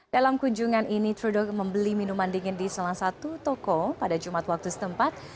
dalam kunjungan ini trudeg membeli minuman dingin di salah satu toko pada jumat waktu setempat